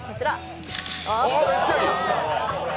めっちゃいい！